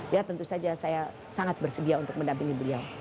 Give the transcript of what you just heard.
ya tentu saja saya sangat bersedia untuk mendampingi beliau